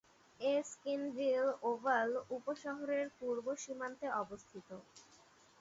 Erskineville Oval উপশহরের পূর্ব সীমান্তে অবস্থিত।